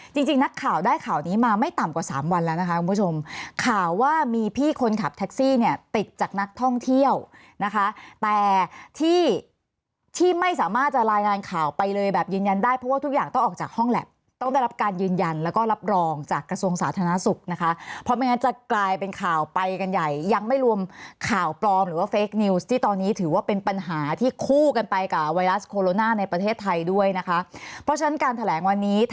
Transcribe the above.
จริงนักข่าวได้ข่าวนี้มาไม่ต่ำกว่าสามวันแล้วนะคะคุณผู้ชมข่าวว่ามีพี่คนขับแท็กซี่เนี่ยติดจากนักท่องเที่ยวนะคะแต่ที่ที่ไม่สามารถจะรายงานข่าวไปเลยแบบยืนยันได้เพราะว่าทุกอย่างต้องออกจากห้องแล็บต้องได้รับการยืนยันแล้วก็รับรองจากกระทรวงสาธารณสุขนะคะเพราะไม่งั้นจะกลายเป็นข่าวไปกันใหญ่ยัง